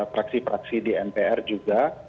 praksi praksi di mpr juga